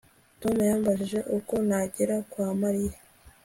Tom yambajije uko nagera kwa Mariya